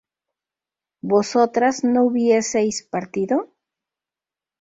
¿vosotras no hubieseis partido?